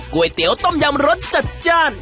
ก๋วยเตี๋ยวต้มยำรสจัดจ้าน